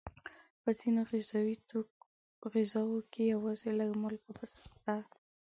په ځینو غذاوو کې یوازې لږه مالګه بس ده.